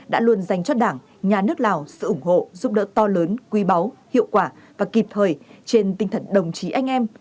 đã luôn dành cho đảng nhà nước lào sự ủng hộ giúp đỡ to lớn quý báu hiệu quả và kịp thời trên tinh thần đồng chí anh em